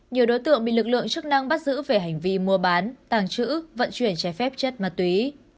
nhiều đối tượng bị lực lượng chức năng bắt giữ về hành vi mua bán tàng trữ vận chuyển trái phép chất ma túy